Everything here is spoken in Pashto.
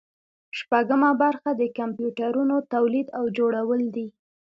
شپږمه برخه د کمپیوټرونو تولید او جوړول دي.